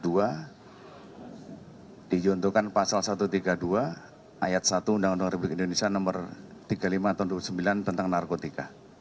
dijuntukan pasal satu ratus tiga puluh dua ayat satu undang undang republik indonesia nomor tiga puluh lima tahun dua ribu sembilan tentang narkotika